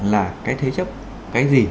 là cái thế chấp cái gì